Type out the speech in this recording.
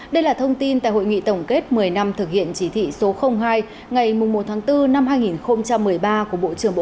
đây là thông tin tại hội nghị tổng kết một mươi năm thực hiện chỉ thị số hai ngày một tháng bốn năm hai nghìn một mươi ba của bộ trưởng bộ